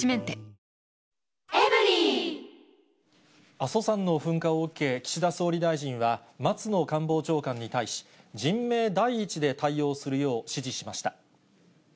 阿蘇山の噴火を受け、岸田総理大臣は松野官房長官に対し、人命第一で対応するよう指示しました。